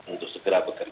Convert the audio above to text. untuk segera bergerak